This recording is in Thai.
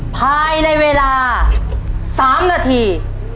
ภายในเวลา๓นาที